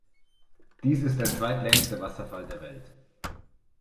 Dies ist der zweitlängste Wasserfall der Welt.